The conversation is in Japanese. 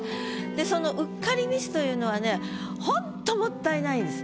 でそのうっかりミスというのはねほんともったいないです。